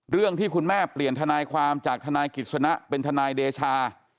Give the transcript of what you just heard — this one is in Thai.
ที่คุณแม่เปลี่ยนทนายความจากทนายกิจสนะเป็นทนายเดชา